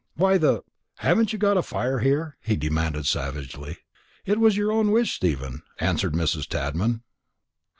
"Why the haven't you got a fire here?" he demanded savagely. "It was your own wish, Stephen," answered Mrs. Tadman.